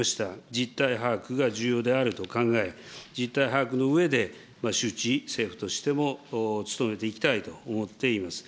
実態把握が重要であると考え、実態把握のうえで周知、政府としても努めていきたいと思っています。